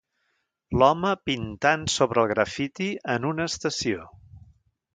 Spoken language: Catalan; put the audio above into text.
L'home pintant sobre el graffiti en una estació.